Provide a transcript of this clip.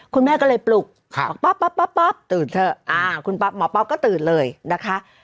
คุณแม่ก็เลยปลุกป๊อปตื่นเถอะคุณหมอป๊อปก็ตื่นเลยนะคะ